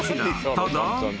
ただ］